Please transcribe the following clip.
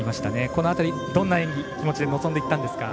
この辺り、どんな演技、気持ちで臨んでいったんですか？